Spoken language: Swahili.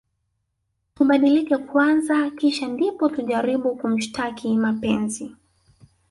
Tubadilike kwanza kisha ndipo tujaribu kumshtaki mapenzi